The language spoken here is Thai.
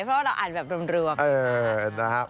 เพราะว่าเราอ่านแบบรวมเลยนะครับ